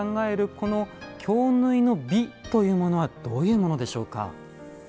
この京繍の美というものはどういうものでしょうか。